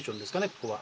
ここは。